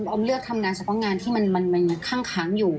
ออมเลือกทำงานใส่บางงานที่มันข้างอยู่